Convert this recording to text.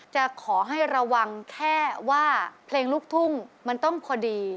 จะขอให้ระวังแค่ว่าเพลงลูกทุ่งมันต้องพอดี